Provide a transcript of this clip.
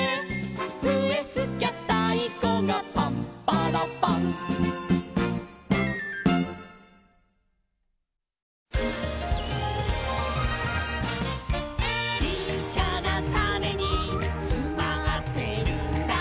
「ふえふきゃたいこがパンパラパン」「ちっちゃなタネにつまってるんだ」